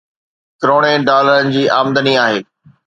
ڪروڙين ڊالرن جي آمدني آهي